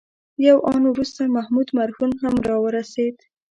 یو آن وروسته محمود مرهون هم راورسېد.